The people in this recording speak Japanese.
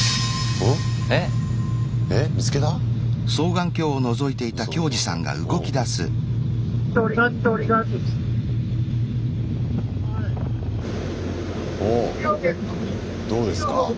おおどうですか？